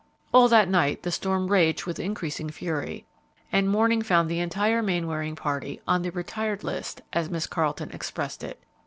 All that night the storm raged with increasing fury, and morning found the entire Mainwaring party "on the retired list," as Miss Carleton expressed it.